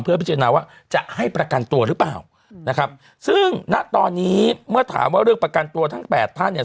พิจารณาว่าจะให้ประกันตัวหรือเปล่านะครับซึ่งณตอนนี้เมื่อถามว่าเรื่องประกันตัวทั้งแปดท่านเนี่ย